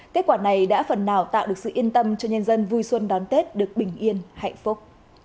kết quả này đã phần nào tạo được sự yên tâm cho nhân dân vui xuân đón tết được bình yên hạnh phúc